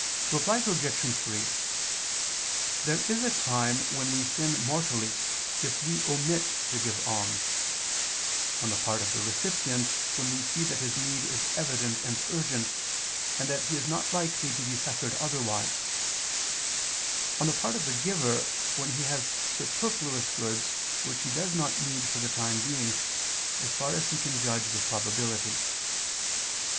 Reply Obj. 3: There is a time when we sin mortally if we omit to give alms; on the part of the recipient when we see that his need is evident and urgent, and that he is not likely to be succored otherwise on the part of the giver, when he has superfluous goods, which he does not need for the time being, as far as he can judge with probability.